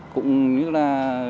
cũng như là